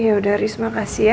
ya udah riz makasih ya